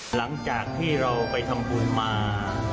หลังจากที่เราไปทำบุญมา